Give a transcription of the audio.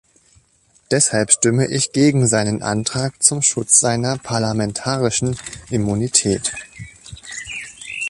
Deshalb stimme ich gegen seinen Antrag zum Schutz seiner parlamentarischen Immunität.